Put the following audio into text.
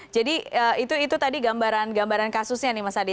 jadi itu tadi gambaran kasusnya nih mas adi